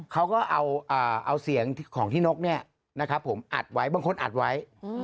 เขาก็เอาเสียงของที่นกนี่นะครับผมอัดไว้บางคนอัดไว้